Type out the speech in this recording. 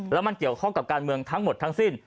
แล้วมันเกี่ยวข้องกับการเมืองทั้งหมดทั้งสิ้น